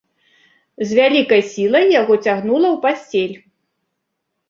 З вялікай сілай яго цягнула ў пасцель.